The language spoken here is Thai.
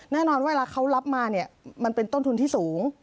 แน่นอนเวลาเขารับมาเนี่ยมันเป็นต้นทุนที่สูง